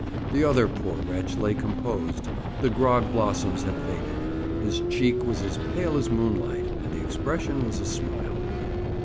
The other poor wretch lay composed; the grog blossoms had faded. His cheek was as pale as moonlight, and the expression was a smile.